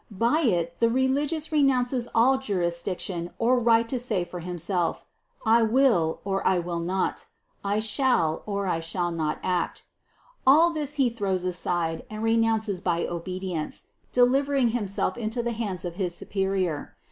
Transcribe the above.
By it the religious renounces all jurisdiction or right to say for himself: I will or I will not, I shall or I shall not act : all this he throws aside and renounces by obe dience, delivering himself into the hands of his superior.